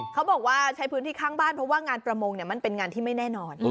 เขาบอกว่าใช้พื้นที่ข้างบ้านเพราะว่างานประมงมันเป็นงานที่ไม่แน่นอน